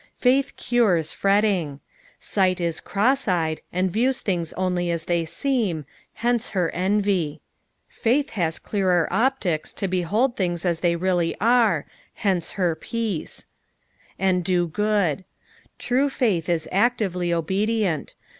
Faith cures fretting. Sight is cISK eycd. end views things only ■s they seem, hence her envj : faitli has clearer optics to behold things as thej reallj are, hence her peace. " And da good."' True faith is actively obedient.